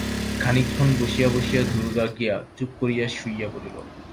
খানিকক্ষণ বসিয়া বসিয়া দুর্গা গিয়া চুপ করিয়া শুইয়া পড়িল।